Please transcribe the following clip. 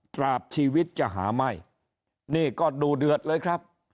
ปราบชีวิตจะหาไม่นี่ก็ดูเดือดเลยครับ